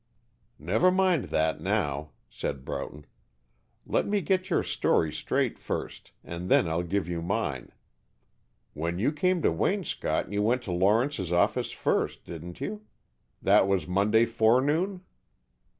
"Never mind that now," said Broughton. "Let me get your story straight first, and then I'll give you mine. When you came to Waynscott you went to Lawrence's office first, didn't you? That was Monday forenoon?"